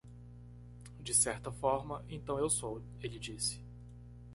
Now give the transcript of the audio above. "De certa forma,?, então eu sou?" ele disse.